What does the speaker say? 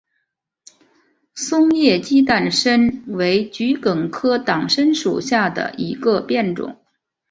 松叶鸡蛋参为桔梗科党参属下的一个变种。